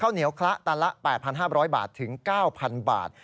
เหนียวคละตันละ๘๕๐๐บาทถึง๙๐๐บาท